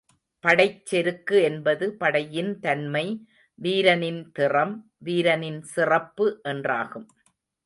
படைச்செருக்கு என்பது படையின் தன்மை, வீரனின் திறம், வீரனின் சிறப்பு என்றாகும்.